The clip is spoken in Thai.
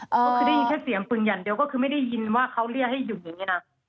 ก็คือได้ยินแค่เสียงปืนอย่างเดียวก็คือไม่ได้ยินว่าเขาเรียกให้หยุดอย่างนี้นะ